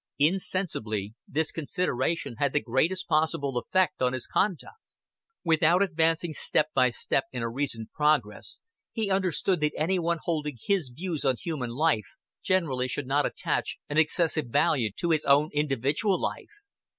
Insensibly this consideration had the greatest possible effect on his conduct. Without advancing step by step in a reasoned progress, he understood that any one holding his views on human life generally should not attach an excessive value to his own individual life.